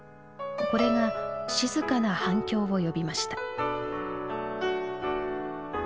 これが静かな反響を呼びました。